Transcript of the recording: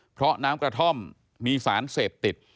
เพราะน้ำกระท่อมมีสารเสพติด